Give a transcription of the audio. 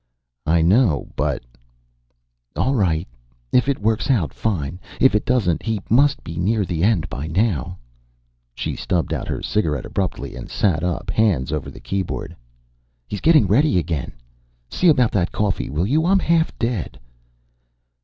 "I know, but " "All right. If it works out, fine. If it doesn't he must be near the end by now." She stubbed out her cigarette abruptly and sat up, hands over the keyboard. "He's getting ready again. See about that coffee, will you? I'm half dead."